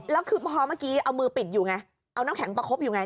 แล้วคือพอเมื่อกี้เอามือปิดอยู่ไงเอาน้ำแข็งประคบอยู่ไง